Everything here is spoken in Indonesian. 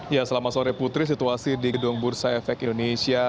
ya selama sore putri situasi di gedung bursa efek indonesia